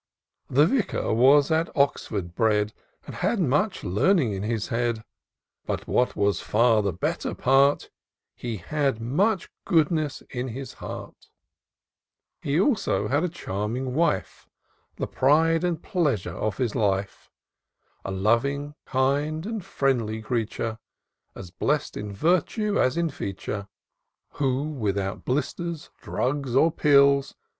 The Vicar was at Oxford bred, And had much learning in his head; IN SEARCH OF THE PICTURESQUE. 105 But, what was far the better part, He had much goodness in his heart; He also had a charming wife, The pride and pleasure of his life ; A loving, kind, and friendly creature. As blest in virtue as in feature. Who, without blisters, drugs, or pills.